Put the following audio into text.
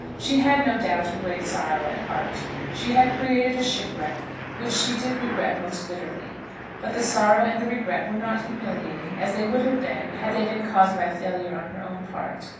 She had, no doubt, a great sorrow at heart. She had created a shipwreck which she did regret most bitterly. But the sorrow and the regret were not humiliating, as they would have been had they been caused by failure on her own part.